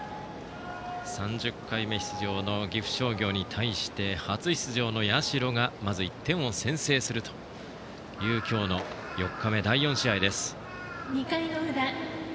３０回目出場の岐阜商業に対して初出場の社が１点を先制するという今日、４日目の第４試合です。